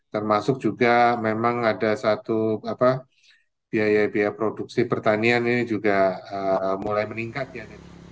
termasuk juga memang ada satu biaya biaya produksi pertanian ini juga mulai meningkat ya